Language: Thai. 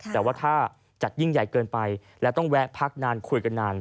แต่ว่าถ้าจัดยิ่งใหญ่เกินไปแล้วต้องแวะพักนานคุยกันนาน